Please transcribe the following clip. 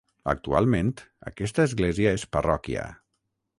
Actualment, aquesta església és parròquia.